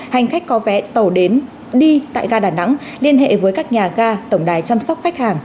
hành khách có vé tàu đến đi tại ga đà nẵng liên hệ với các nhà ga tổng đài chăm sóc khách hàng